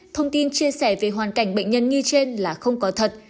thông tin chia sẻ về hoàn cảnh bệnh nhân nghi trên là không có thật